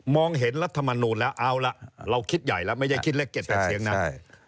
มคมองเห็นรัฐมนุษย์แล้วเอาล่ะเราคิดใหญ่แล้วไม่ได้คิดเล็กเกียรติแบบเสียงนะ